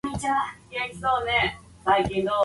Delgado rode the rest of the race on the offensive.